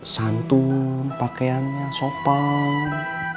santun pakaiannya sopan